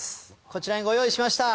こちらにご用意しました。